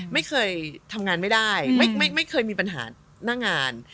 ไม่เคยทำงานไม่ได้ไม่เคยมีปัญหาหน้างาน